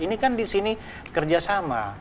ini kan di sini kerjasama